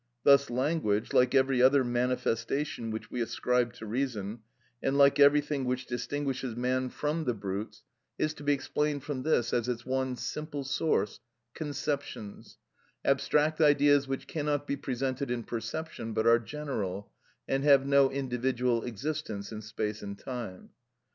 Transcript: Thus language, like every other manifestation which we ascribe to reason, and like everything which distinguishes man from the brutes, is to be explained from this as its one simple source—conceptions, abstract ideas which cannot be presented in perception, but are general, and have no individual existence in space and time.